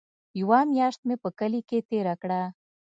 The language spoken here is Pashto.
يوه مياشت مې په کلي کښې تېره کړه.